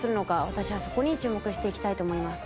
私はそこに注目していきたいと思います